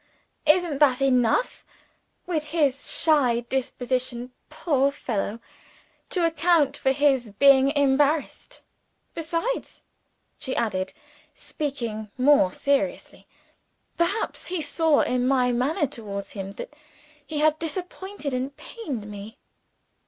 Isn't that enough with his shy disposition, poor fellow to account for his being embarrassed? Besides," she added, speaking more seriously, "perhaps he saw in my manner towards him that he had disappointed and pained me."